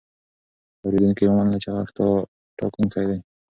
اورېدونکي ومنله چې غږ ټاکونکی دی.